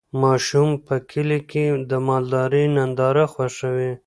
ماشومان په کلي کې د مالدارۍ ننداره خوښوي.